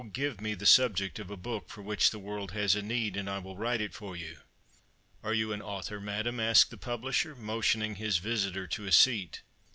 give me the subject of a book for which the world has a need, and I will write it for you." "Are you an author, madam?" asked the publisher, motioning his visitor to a seat.